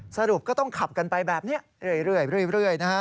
สรุปก็ต้องขับกันไปแบบนี้เรื่อยนะฮะ